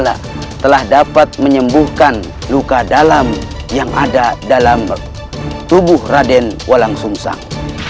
dan dapat menyembuhkan luka dalam yang ada dalam tubuh raden walang sungsang